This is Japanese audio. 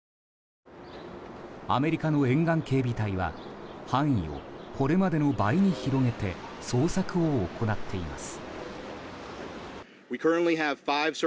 アメリカの沿岸警備隊は範囲をこれまでの倍に広げて捜索を行っています。